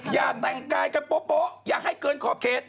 อยากแต่งกายกันพกอยากให้เกินขอบเขต